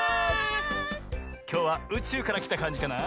きょうはうちゅうからきたかんじかな？